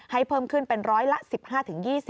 ให้เพิ่มขึ้นเป็นร้อยละ๑๕๒๐บาท